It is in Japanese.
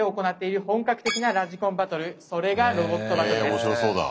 へえ面白そうだ。